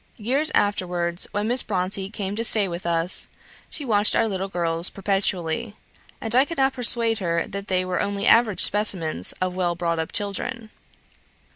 Years afterwards, when Miss Bronte came to stay with us, she watched our little girls perpetually; and I could not persuade her that they were only average specimens of well brought up children.